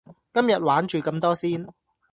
今日玩住咁多先